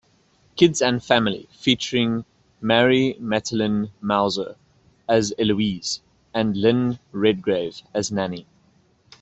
Kids and Family, featuring Mary Matilyn Mouser as Eloise and Lynn Redgrave as Nanny.